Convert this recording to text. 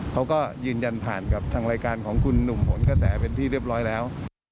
เขาก็ยืนยันผ่านกับทางรายการของคุณหนุ่มผลกระแสเป็นที่เรียบร้อยแล้ว